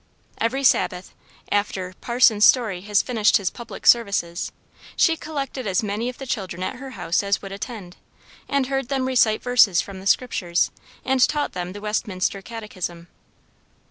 Every Sabbath, after "Parson Storey had finished his public services," she collected as many of the children at her house as would attend, and heard them recite verses from the Scriptures, and taught them the Westminster catechism.